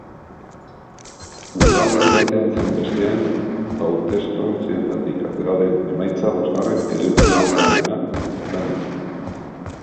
Udalerri batean zein bestean hautestontzietatik atera den emaitza bosgarren edukiontziarena izan da.